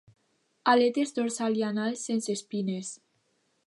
Aletes dorsal i anal sense espines.